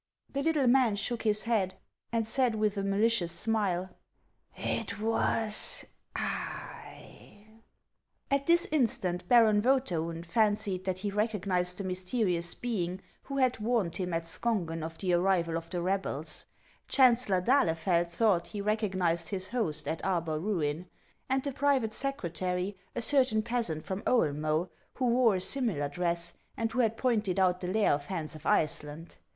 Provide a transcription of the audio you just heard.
" The little man shook his head, and said with a mali cious smile :" It was I." At this instant Baron Vcethaim fancied that he re cognized the mysterious being who had warned him at Skongen of the arrival of the rebels ; Chancellor d' Ahlefeld thought he recognized his host at Arbar ruin ; and the private secretary, a certain peasant from Oelmce, who wore a similar dress, and who had pointed out the lair of Hans of Iceland.